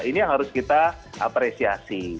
ini yang harus kita apresiasi